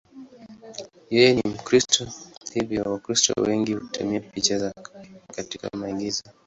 Yeye ni Mkristo, hivyo Wakristo wengi hutumia picha zake katika maigizo.